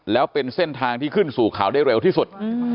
แล้วเป็นเส้นทางที่ขึ้นสู่เขาได้เร็วที่สุด